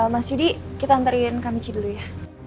mas yudi kita anterin kak miki dulu ya